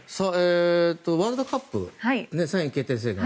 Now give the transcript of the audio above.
ワールドカップ、３位決定戦が。